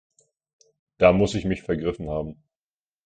Da muss ich mich vergriffen haben.